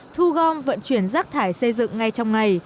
thu gom vận chuyển rác thải xây dựng ngay trong ngày